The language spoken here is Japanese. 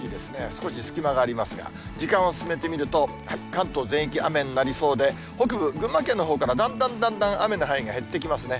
少し隙間がありますが、時間を進めてみると、関東全域、雨になりそうで、北部、群馬県のほうからだんだんだんだん雨の範囲が減ってきますね。